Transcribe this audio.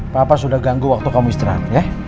papa sudah ganggu waktu kamu istirahat ya